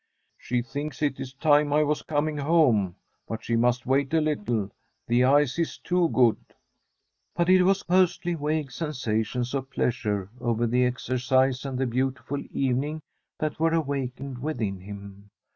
* She thinks it is time I was coming home, but she must wait a little ; the ice is too good.' But it was mostly vague sensations of pleasure over the exercise and the beautiful evening that were awakened within him.